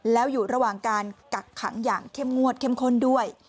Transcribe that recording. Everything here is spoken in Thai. แล้วอยู่ระหว่างการกักขังอย่างเข้มงวดเข้มข้นด้วย